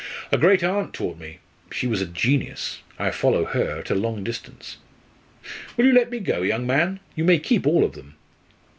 "A great aunt taught me she was a genius I follow her at a long distance. Will you let me go, young man? You may keep all of them."